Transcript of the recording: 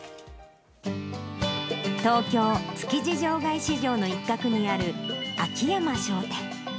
東京・築地場外市場の一角にある秋山商店。